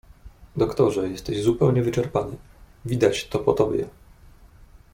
"Doktorze jesteś zupełnie wyczerpany, widać to po tobie."